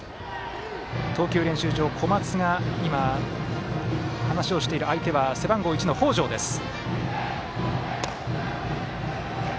投球練習場、小松が今、話をしている相手は背番号１の、北條でした。